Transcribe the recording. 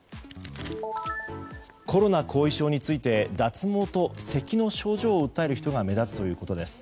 コロナ後遺症について脱毛とせきの症状を訴える人が目立つということです。